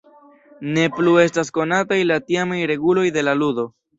Ne plu estas konataj la tiamaj reguloj de la ludo.